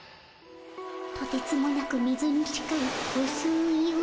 とてつもなく水に近いうすいうすい味。